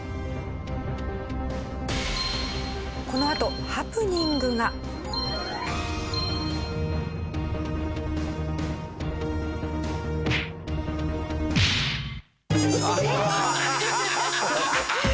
このあとハプニングが。ええーっ！？